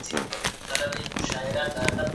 که واردات کم شي خلک به ستونزې ولري.